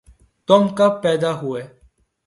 تم کب پیدا ہوئے